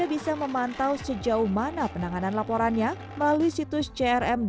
yuda bisa memantau sejauh mana penanganan laporannya melalui situs crm jakarta co id